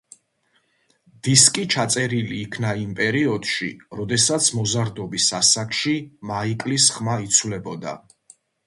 დისკი ჩაწერილი იქნა იმ პერიოდში, როდესაც მოზარდობის ასაკში მაიკლის ხმა იცვლებოდა.